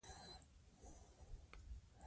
د مور مینه او پاملرنه ماشومانو ته ځواک ورکوي.